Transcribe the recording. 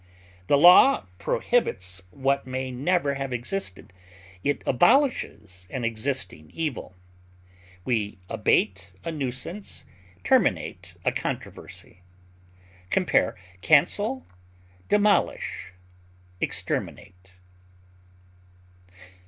The law prohibits what may never have existed; it abolishes an existing evil. We abate a nuisance, terminate a controversy. Compare CANCEL; DEMOLISH; EXTERMINATE.